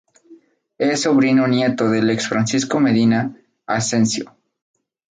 Es sobrino-nieto del ex Francisco Medina Ascencio.